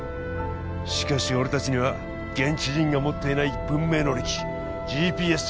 しかし俺たちには現地人が持っていない文明の利器ＧＰＳ